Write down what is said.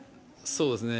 そうですね。